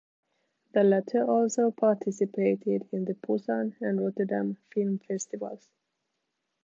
The latter also participated in the Pusan and Rotterdam Film Festivals.